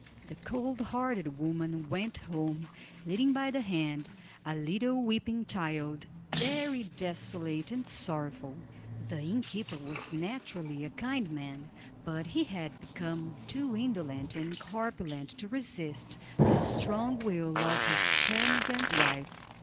The cold hearted woman went home, leading by the hand a little weeping child, very desolate and sorrowful. The innkeeper was naturally a kind man, but he had become too indolent and corpulent to resist the strong will of his termagant wife.